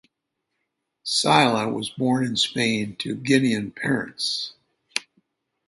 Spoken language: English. Sylla was born in Spain to Guinean parents.